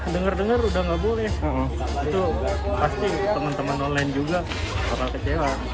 dengar dengar udah gak boleh itu pasti temen temen online juga akan kecewa